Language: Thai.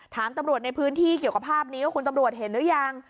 ถามตำรวจในพื้นที่เกี่ยวกับภาพนี้ว่าคุณตำรวจเห็นหรือยัง